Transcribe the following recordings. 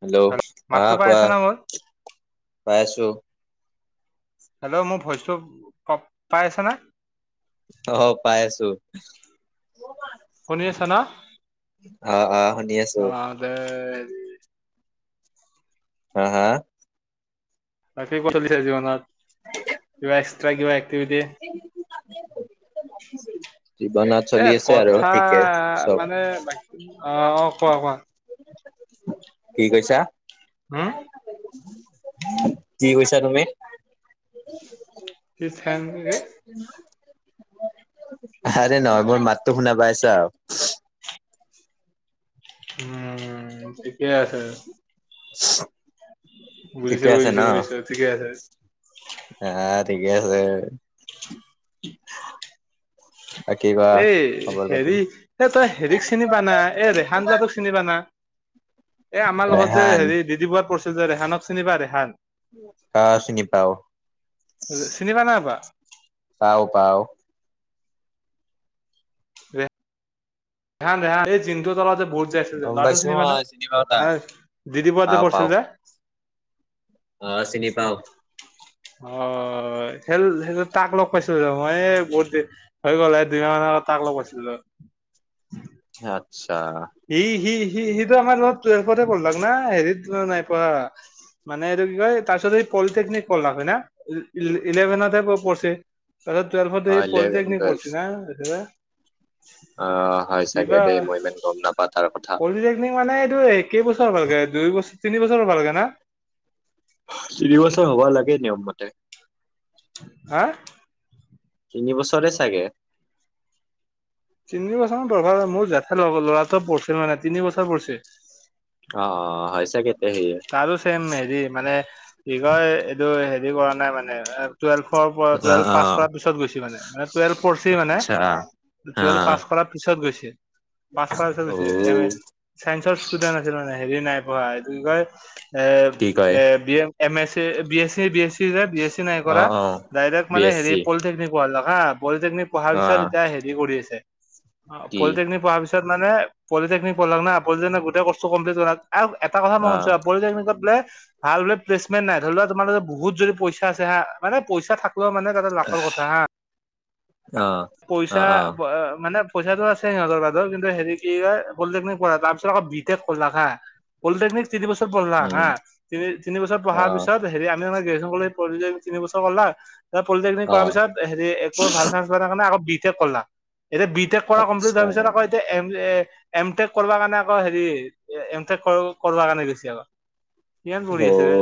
Hello হা মাতটো পাই কোৱা, আছা না মোৰ? পাই আছো। হেল্ল' মোৰ ভইচটো ক' পাই আছে না? অ, পাই আছো। শুনি আছা ন' আহ আহ শুনি আছো অ, দে হ হা? বাকী ক চলিছে জীৱনত? কিবা এক্সট্ৰা কিবা এ্টিভিটি? [unintelligible] জীৱনত এ, চলি আছে আৰু কথা ঠিকে চব মানে বাকী অ', অ', কোৱা-কোৱা। কি কৈছা? হম? কি কৈছা তুমি? এই ফেনটো যে আহৰে নহয় মোৰ মাতটো শুনা পাইছা আৰু উম, ঠিকেই আছে। ঠিকে বুজিছোঁ আছে ন বুজিছোঁ বুজিছোঁ, ঠিকে আছে। আহ ঠিকে আছে। বাকী কোৱা এই খবৰ পাতি হেৰি এই তই হেৰিক চিনি পানা এই ৰেহান [unintelligible] চিনি পানা? এ আমাৰ লগত যে ৰেহান হেৰি বিবি বৰাত পৰচে যে ৰেহানক চিনি পাই ৰেহান? আহ চিনি পাওঁ। চিনি পা না নাপা? পাও - পাও। ৰে ৰেহান -ৰেহানহ এই জিণ্টু হতৰ লগত যে বহুত যে আছিল যে গম ল'ৰাতোক পাইছো চিনি পানা মই পাও তাক এই ডি ডি বৰুৱাত যে পাও পাও পঢ়ছিল যে? অ' চিনি পাওঁ অ, সেল সেইটো তাক লগ পাইছিলো যে অ, মই এ বহুত দিন হৈ গ'ল এ দুইমাহ মান আগত তাক লব আছিলে আটচ সি সি সি, সিটো আমাৰত লগত ত্বেলফতে পঢ়লাক না হেৰিত নাই পঢ়া। মানে এইটো কি কয় তাৰ পিছত এই পলিটেকনিক কৰলা হয় না ই, ই, ইলেভেনত হে প, পঢ়চে। তাৰ টুৱেলৱতে‌ এই ইলেভেন পলিটেকনিক পঢ়ছি না আহ, হয় চাগে কিবা দেই মই ইমান গম নাপা তাৰ কথা। পলিটেকনিক মানে এইটো কেইবছৰ হৈ গল ভালকে দুই, বছৰ তিনি বছৰৰ ভালকে না দুই বছৰ হ'ব লাগে নিয়ম মতে [unintelligible] হা, তিনি বছৰে চাগে তিনি বছৰ মান পঢ়িব লাগিব, জেঠাই লৰা এটা পঢ়িছিল মানে, তিনি বছৰ পঢ়িছিল। অ', হয় চাগে [inaudible] তাৰো চেম হেৰি মানে বিষয় এইটো হেৰি কৰা নাই মানে টুৱেলভফৰ অ পৰা টুৱেল্ভ অ পাছ কৰাৰ পিছত গৈছে মানে মানে টুৱেল্ভ পঢ়ছি মানে আচ্ছা [unintelligible] অ টুৱেলৱ পাছ কৰাৰ পিছত গৈছে পাছ কৰাৰ ঔ পছৈ এম এ চাইন্সৰ ষ্টুডেন্ট আছিল মানে হেৰি নাই পঢ়া এইটো কি কয় [unintelligible] এ কি কয় A B A M S B AC B AC B S C নাই অ কৰা অ ডাইৰেক্ট বি মানে এছ হেৰি চি পলিটেকনিক হা [unintelligible] পলিটেকনিক পঢ়া অ পিছত এয়া হেৰি কৰি আছে অ', কি পলিটেকনিক পঢ়াৰ পিছত মানে পিটেকনিক পঢ়াকনা পলি গোটেই কোচ্ টো [unintelligible] আৰু এটা কথা মই অ শুনিছো আৰু পলিটেকনিক ভাল বলে প্লেচমেণ্ট নাই ধৰি লোৱা তুমাৰ বহুত যদি পইচা আ হা মানে পইচা থাক [unintelligible] মানে লাখৰ কথা হা অ অ পইচা অ মানে পইচাটো আছে সিহঁতৰ বৰ কিন্তু হেৰি কি ক পলিটেকনিক পঢ়া তাৰ পিছত আকৌ ভিটেক কলা হা পলিটেকনিক তিনি বছৰ পঢ়লাক উম হা তিনি তিনি বছৰ অ পঢ়াৰ পিছত হেৰি আমি মানে [unintelligible] তিনিবছৰ কৰিলা, পলিটেকনিক অ কৰাৰ পিছত হেৰি একো ভাল চানস প ন কাৰণে আকৌ বিটেক লা এতিয়া বিটেক কৰা কমপ্লিট আচ্ছা হোৱাৰ পিছত আকৌ এতিয়া এম [unintelligible] এ, এম, টেক কৰ কাৰণে আকৌ হেৰি এমটেক কৰ কাৰণে গৈছি আকৌ ইমান অ পৰি আছিলোনে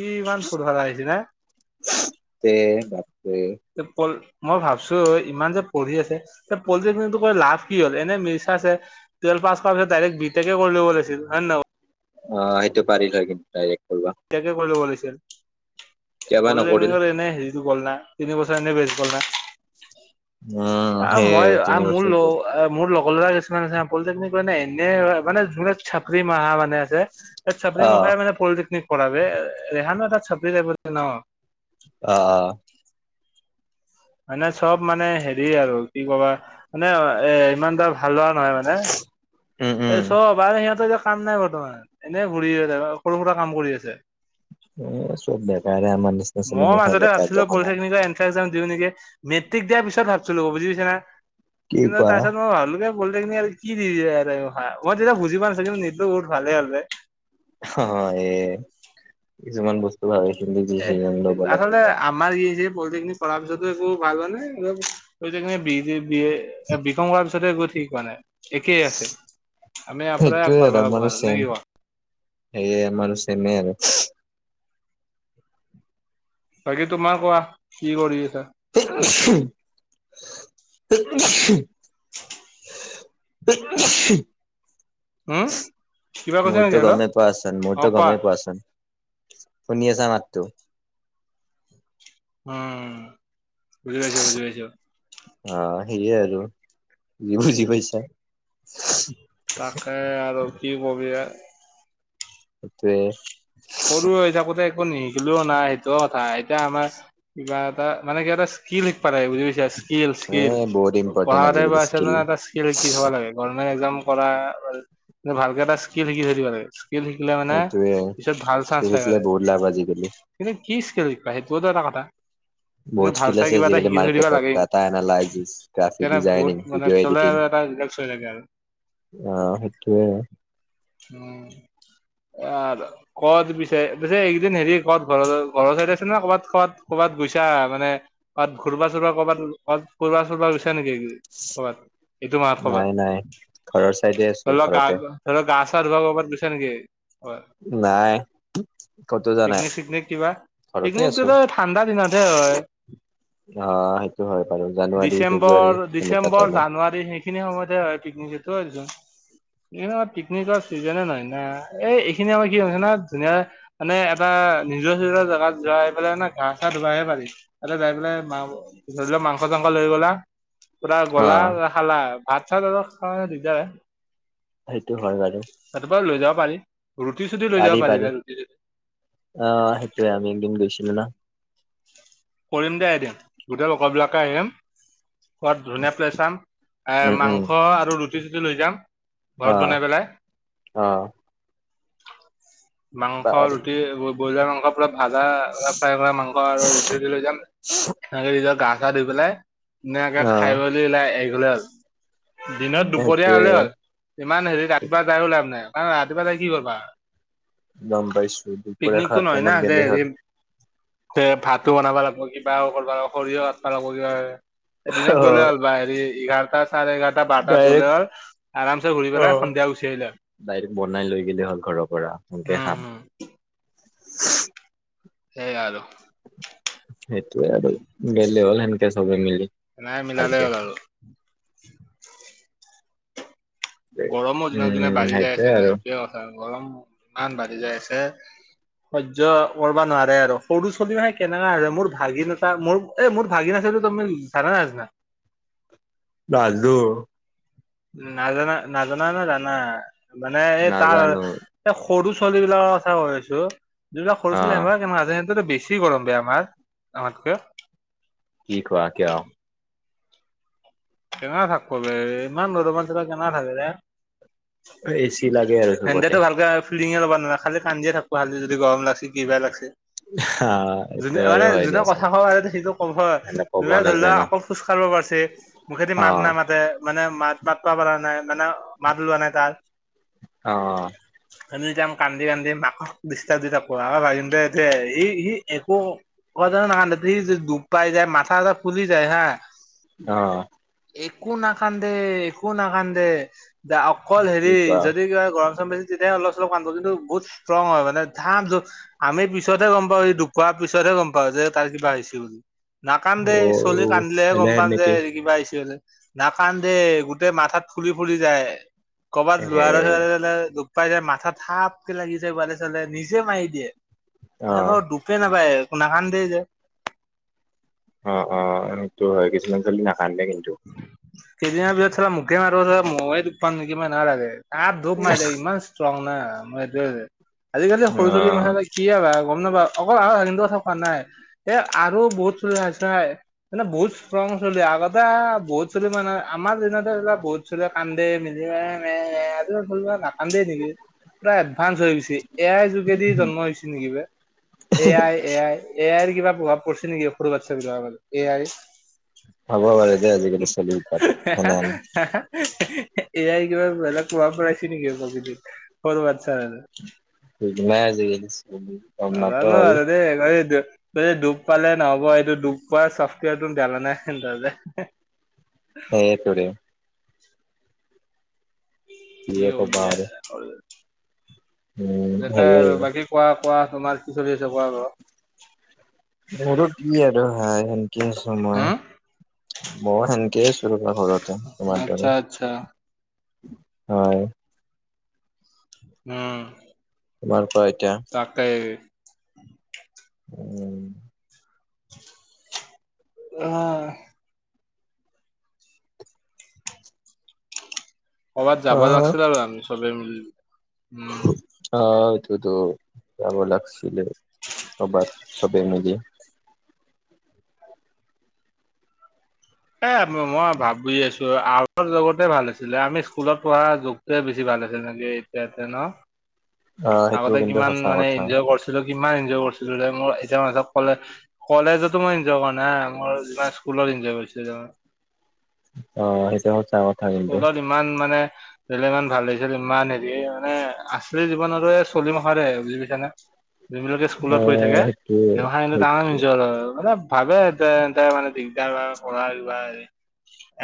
ই ইমান ফূট ভা়া আহিছে ন [unintelligible] বাপৰে, বাপৰে মই ভাবছো ইমান যে পঢ়ি আছে পলিনি ক লাভ কি হ'ল এনে মিৰ্চা আছে [unintelligible] পাছ পাৰ পিছ ডাইৰেক্ট বিটেক কৰি ল'ব লাগিছল হয় নে নহয় অ' সেইটো পাৰিলয় কিন্তু ডাইৰেক্ [unintelligible] তে কৰিব লাগিছিল কিয় বা নকৰিল পলিটেকনিকৰ এনে গল না তিনি বছৰ এনে বেছি গল না [unintelligible] [unintelligible] উম অ' সেইয়ে মই তিনি মোৰ বছৰ গেল লগ মোৰ লগৰ লৰা। পলিটকনিক হয়ে এনে মান যুনেক ছাপৰি [unintelligible] ম আহানে চাপৰি অ মখাই পলিটেকনিক কৰা ৰেহানো এটা চাপি যিব ন [unintelligible] অ', অ',। মানে চব মানে হেৰি আৰু, কি কবা মানে এ ইমান এটা ভাল লোৱা নহয় মানে, উম এই উম চব বাৰে সিহঁতে কাম নাই বৰ্তমান এনেই ঘূৰি সৰু সুৰা কাম কৰি আছে এ চব বেকাৰে আমাৰ নিচিনা চলি মই খাই মাজতে বেকাৰ ভাছিলোঁ দেখা নাই পলিটেকনিক এন নেকি মেট্ৰিক দিয়াৰ পিছত ভাবচুলো বুজি পাইছা কি কিন্তু কোৱা তাৰ পিছত মই ভালো [unintelligible] [unintelligible] হ' [unintelligible] অ', এ কিছুমান বস্তু ভাল এ আচলতে আমাৰ ই যে, পলটেকনিক পঢ়াৰ পিছত একো ভাল হয় নে বি এ বি কম কৰাৰ পিছতে [unintelligible] মে একেই আছে, আমি ইয়াৰ পৰাই আগবাঢ়িব লগাব নে কি কোৱা আমাৰ চেমে আৰু [unintelligible] বাকী তোমাৰ কোৱা, কি কৰি আছা [unintelligible] হম কিবা [inaudible] কৈছা নেকি মূৰ্তো হেল্ল' গমে পোৱাচোন অ মূৰ্তো কোৱা গমে পোৱাচন। শুনি আছা মাতটো? উম বুজি পাইছ বুজি পাইছ। অ' সেয়ে আৰু তোমি বুজি পাইছা? তাকে আৰু কি কবি? সেইটোৱে। সৰু হৈ থাকোতে একো নিশিকিলোও নাই সেইটোও কথা এতিয়া আমাৰ কিবা এটা মানে কিব এটা স্কিল্ল বুজি পাইছ? স্কিল এ স্কিল বহুত ইম্পৰ্টেণ্ট পঢ়াতে আজিকালি বাে স্কিল এটা স্কিল কি থব লাগে গৰমেন একমজাম কৰা ভালকে এটা স্কিল শিকি থৈ দিব লাগে স্কিল শিকিলে মানে সেইটোৱে। ত' ভাল চান্স স্কিল হয় শিকিলে মানে বহুত লাভ আজিকালি কিন্তু কি স্কেল শা সেইটোতো এটা কথা? বহুত ভাল স্কিল চাই আছে কিবা এটা আজিকালি শিকি থৈ দিবা মাৰ্কেটত লাগে ডাটা এনালাইচিছ গ্ৰাফিক সেইে বহুত ডিজাইনিং মানে ভিডিঅ' পিছলে এডিটিং আৰু এটা [unintelligible] অ' সেইটোৱে। এ আ আৰু। ক'ত পিছে -পিছে এইকদিন হেৰি কত ঘৰ ঘৰৰ চাইড আছে ন ক'বাত ক'বাত ক'ৰবাত গৈছা মানে? ঘূৰবা চুবা কৰ'বাত ফোৰবা চুবা আচে নেকি কবাত এইটো মাহ নাই কবাত? নাই। ঘৰৰ চাইডে আছো ঘৰতে [unintelligible] নাই। ক'তো যোৱা নাই। পিকনিক চিকনিক কিবা ঘৰতে আছো পিকনিকটোতো ঠাণ্ডা দিনতহে হয়। অ সেইটো হয় বাৰু জানুৱাৰী ডিচেম্বৰ ফেব্ৰুৱাৰী এনেকুৱা ডিচেম্বৰ টাইমত জানুৱাৰী সেইখিনি সময়ত হয় পিকনিক আমাৰ পিকনিকৰ চিজ নহয় না এই এইখিনি আমাৰ কি হৈছে না ধুনীয়া মানে এটা নিজৰ চজৰ জেগাত যোৱা পেলাই না ঘা চা ধুবাইহে পাৰি। তাতে যাই পেলাইা ধৰি লও মাংস চাংস লৈ গ'লা। পুৰা অ গলা খালা ভাত চাত খ দিগদাৰ। সেইটো হয় বাৰু। [inaudible] যাব পাৰি পাৰিবা পাৰি ৰুটি চুটি অ' সেইটোৱে আমি একদিন গৈছিলো না। কৰিম দে আহি দিম গোটেই লগৰ বিলাকে আহিম খোৱাত ধুনীয়া ছে চাম এ উম উম মাংস আৰু ৰুটি চুটি লৈ যাম। অ ঘৰত বনাই পেলাই। অ' মাংস পাৰি ৰুটি ব্ৰইলাৰ মাংস পৰা ভাজা ফ্ৰাই কৰা মাংস আৰু চুটি লৈ যাম সে নিজৰ গা চা ধুই পেলাই ধুনীয়াকে অ খাইলৈ ওলাই দিনত দুপৰীয়া সেইটোৱে হ'লে হ'ল। ইমান হেৰি ৰাতিপুৱা যায় লাভ নাই কাৰণ ৰাতিপুৱা যাই কি কৰিবা? গম পাইছো দুপৰ খোৱা টাইমট গেলেই হ'ল। সে' ভাতো বনাব লাগিব কিবা কৰিব খৰীও সৰিয়ও কাটিব লাগিব কিবা এ অ দিনত গ'লে হ'ল বা হৰি এইঘাৰ তা চাৰে এঘাৰটা বাৰটাত ডাইৰেক্ট গলে আৰু আৰাম চে ঘূৰি অ পেলাই সন্ধিয়া গুচি আহিলে ডাইৰেক্ট বনাই লৈ গেলি হ'ল ঘৰৰ পৰা সোনকে উম খাম। হুম সেইয়া আৰু। সেইটোয়ে আৰু গেলে হ'ল সেনেকে চবে মিলি। নাই মিলালে ভালকে হ'ল আৰু। গৰমৰ দিনক দিনে উম বাঢ়ি যাই আছে সেইটোয়ে নহয় আৰু এইটোৱে কথা গৰম ইমান বাঢ়ি যাই আছে। সহ্য কৰিবা নোৱাৰে আৰু সৰু ছলি মানে সৰু ছোৱালী আৰু মোৰ ভাগিনতা এটা মোৰ এ মোৰ ভাগিন [unintelligible] বাজু। নাজানা-নাজানা না জানা মানে এই তাৰ এই নাজানো স সৰু ছোৱালী বিলাকৰ কথা কৈ আছো যিবিলাক অ সৰু ছোৱালী যেন [unintelligible] বেছি গৰম বে আমাৰ আমাতকে কি খোৱা কিয় কেনেকা থাকবো দে ইমান গৰমত কেনে থাকে দে? এচি লাগে আৰু চবতে সেনতেটো ভালকে কোনেও লবা নৰা খালি কান্দিয়ে থাকবো খালি যদি গৰম লাগচি কিবা লাগছি। হা এইটো যোনে আৰু মানে হয় যোনে দিয়াচোন কথা কবা আৰু সেইটো কব এনে ক'ব ষোনে ধৰি নাজানে লোৱা ন অকল খজকাঢ় পাছে মখে যদি অ মাত নামাতে মানে মাত মাতবা পাৰা নাই মানে মাত উলোৱা নাই তাৰ অ', আমি যাম কান্দি কান্দি মাকক দিষ্টাব দি থাকব আৰু ভাগিনটা এতে আহি ই সি একো [unintelligible] দুখ পাই যাই মাথা চাথা ফুলি যায় হা অ একো নাকান্দে একো নাকান্দে দে অকল কি হেৰি কোৱা যদি কিবা গৰম চৰম বেছি তেতিয়া অলপ চলপ কান্দব কিন্তু বহুত ষ্ট্ৰং হয় মানে থাম আমি পিছতহে গম পাওঁ সি দুখ পোৱাৰ পিছত গম পাওঁ যে তাৰ কিবা হৈছে বুলি নাকান্দে অ চলি কান্দিলেহে গম এলেহেন পাম যে নেকি কিবা নাকান্দে গোটেই মাথাত ফুলি ফুলি যায়। ক'বাত এ যোৱাৰ [unintelligible] দুখ পাই যায় মাথাত থাপ কে লাগি যায় উৱালে চুৱালে নিজে মাৰি দিয়ে। অ [unintelligible] দুখে নাপায় নাকান্দে যে অ, অ, সেইটো হয় কিছুমান চলি নাকান্দে কিন্তু। কেইদিন মানৰ পিছত চালা মুকে মাৰিব ময়ে দুখ পাম নেকি মোৰ সেনেহেন লাগে, ধাপ ধূপ মাৰি দিয়ে ইমান ষ্ট্ৰং। নাই মই সেইটোয়ে যে আজিকালি অ সৰু ছোলী মাসান কিয়ে বা গম নাপাওঁ অকল আৰু [unintelligible] কথা কোৱা নাই এ আৰু বহুত চলি আছে মানে বহুত ষ্ট্ৰং [unintelligible] আগত বা বহুত চলি মানে আমাৰ যেনে ধৰি লোৱা বহুত চলি কান্দে মিলি [unintelligible] কান্দেই নেকি পুৰা এডভান্স হৈ গৈছি এয়াই যোগেদি জন্ম হৈ হৈছে নেকি বে A I A I A আইৰ কিবা প্ৰভাৱ পৰিছে নেকি সৰু বাচ্ছা বিলাকৰ উপৰত এ আই? পাব পাৰে দেই এই আজিকালি চলিৰ উৎপাত সেনেহেন এয়াই কিবা বেলেগ প্ৰভাৱ পৰাইছে নেকি প্ৰকৃতিত সৰু বাচ্ছাৰ। ঠিক নাই আজি কালিৰ যুগ নাজানো আৰু দে ডুব পালে নহ'ব এইটো ডুব পোৱাৰ চফ্টৱেৰ টো যানানে সেইটোৰে কিয়ে ক'বা আৰু [unintelligible] উম [unintelligible] সেয়ে আৰু বাকী কোৱা কোৱা তোমাৰ কি চলি আছে কোৱা বাৰু। মোৰো কি আৰু হাই সেনকে আছো মই, হুম, ময়ো সেনকে আছো। ঘৰতে তোমাৰ আচ্ছা দৰে। আচ্ছা হয়। অ'। তোমাৰ কোৱা এতিয়া তাকেই। অ' কৰোবাত যাব আহ লাগছিল আৰু আমি চবেই মিলি উম। সেইটোতো যাব লাগছিলে কবাত চবেই মিলি। এ মই ভাবি আছো আগৰ যুগতেই ভাল আছিলে আমি স্কুলত পঢ়া যুগতোৱে বেছি ভাল মানে যেনেকে এতিয়াতে ন, আহ সেইটো আগতে কিন্তু কিমান সঁচা মানে কথা ইনজয় কৰিছিলো এমান এনজয় কৰিছিলো যে মোৰ এতিয়া মানে কলে কলেজতো মই এনজয় কৰা নাই মোৰ যিমান স্কুলত ত এনজয় কৰিছিলো। অ, সেইটো হয় স্কুলত ইমান মানে ধৰিলে ইমান ভাল লাগিছিল ইমান হেৰি মানে আছলি জীৱন আৰু এই চলি মাখাৰে বুজি পাইছা না। যোনবিলকে অ স্কুলত পঢ়ি থাকে সেইটোৱে তেওঁহতৰ তামাম এনজয় কৰে, মানে ভাবে যে এ মানে দিদাৰ পঢ়া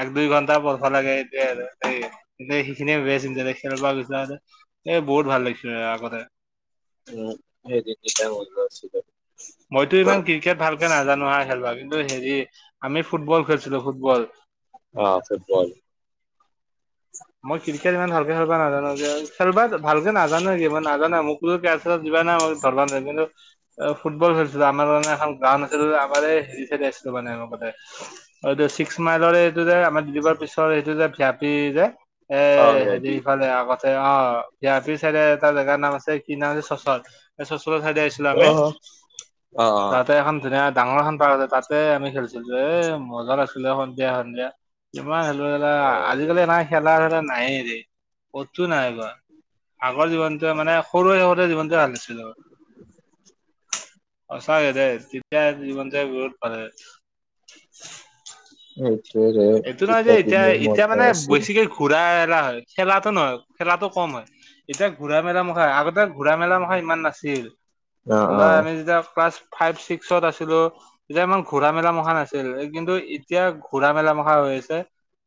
এক দুই ঘণ্টা পঢ লাগে এতিয়া আৰু এই এ সেইখিনিয়ে বে খেল গছ এই বহুত ভাল লাগি আৰু আগতে উম, সেইদিতি টাইম মোৰো আছিলে। মইতো ইমান ক্ৰিকেট ভালকে নাজানো আৰু খেলবাগ কিন্তু হেৰি আমি ফুটবল খেলছিলো ফুটবল। অ ফুটবল মই ক্ৰিকেট ইমান ভালকে খেলিবা নাজানো খেলবা ভালকে নাজানো মই নাজানো মোকো ণে ধৰব ন কিু অ ফুটবল খেলছিলো আমাৰ কাৰণে এখন গ্ৰাউড আছিলো আম হে চ আছিলো ে এনেুৱ এইটো ছিক্স মাইলৰে এইটো যে আমাৰ ডৰ পিছৰ এইটো যে ভয়াপি যে এ অ হেৰি ভি ইফালে আগতে অ বিয় পি চাইে তাৰ জেগাৰ নাম আছে ই নাম চচত চচলৰ াইড আহিছিলো অ আমি অ তাতে এখন ধুনীয়া ডাঙৰ এ খখন পাৰ্ আছে তাতে আমি খেলিছিলো এ মজা লাগিছিলে সন্ধিয়া সন্ধিয়া যিমান লা অ আজিকালি নাই খেলা ধূলা নাই দে কটো নাই কোৱা, আগৰ জীৱনটোৱে মানে সৰুৱ শহতে জীৱনটোৱে ভাল আছিল সঁচাকে দেই যেতিয়া যি মন যায়, বহুত ভালেই উম এইটো নহয় যে এতিয়া এতিয়া মানে আছিল বেছিকে ঘূৰা খেলা হয় খেলাটো নহয় খেলাো কম হয় এতিয়া ঘূৰা মেলা মুখা আগতে ঘূৰা মেলা মুখা ইমান নাছিল, অ অ আমি যেতিয়া ক্লাছ ফাইভ ছিক্সত আছিলো এতিয়া ইমান ঘোৰা মেলা মখা নাছিল কিন্তু এতিয়া ঘোৰা মেলা মখা, পৰ হৈ আছে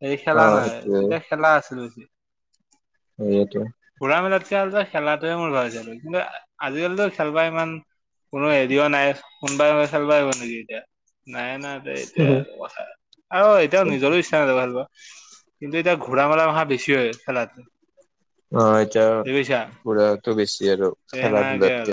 হেৰি অ খেলা নাই সেইটোৱে তেতিয়া খেলা আছিলো যে। সটোো আজিকালো খেলাতোৱে মই ভাবিছিলো কিন্তু আজিকালিতো খেল পা ইমান কোনো হেৰিও নাই শোননবাই চালিব আহিব নেকি এতিয়া নাই নাই এতিয়া কথা আৰু সেইটো নিজৰো ইচ্ছা নায খাল পা কিন্তু এতিয়া ঘোৰা মেলা মখা বেছি হয় খেলা অ এটা পুৰাটো বেছি আৰু তে খেলা সেনেকে ধূলাতক